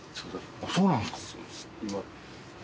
そうなんですか。